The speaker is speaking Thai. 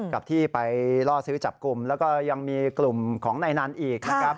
กับที่ไปล่อซื้อจับกลุ่มแล้วก็ยังมีกลุ่มของนายนันอีกนะครับ